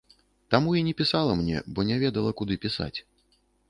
Таму і не пісала мне, бо не ведала, куды пісаць.